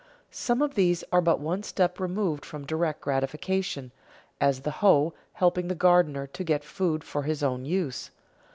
Some of these are but one step removed from direct gratification, as the hoe helping the gardener to get food for his own use.